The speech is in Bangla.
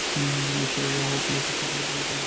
মিষ্টি বাবু আমার, তোমাকে ছাড়া আমার জীবন মিষ্টি হবে না।